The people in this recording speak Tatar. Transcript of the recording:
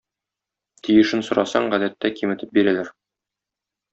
Тиешен сорасаң гадәттә киметеп бирәләр.